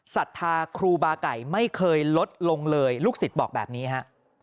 ศรัทธาครูบาไก่ไม่เคยลดลงเลยลูกศิษย์บอกแบบนี้ฮะ